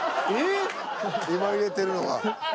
今入れてるのは。